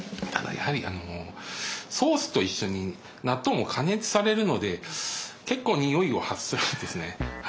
ただやはりソースと一緒に納豆も加熱されるので結構においを発するんですね。